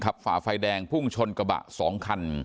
ขับฝ่าไฟแดงผุ้งชนกระบะสองคัน